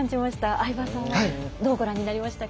相葉さんはどうご覧になりましたか？